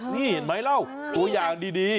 นี่เห็นไหมเล่าตัวอย่างดี